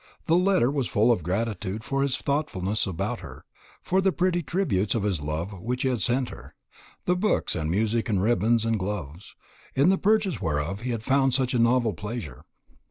The letter was full of gratitude for his thoughtfulness about her, for the pretty tributes of his love which he had sent her, the books and music and ribbons and gloves, in the purchase whereof he had found such a novel pleasure.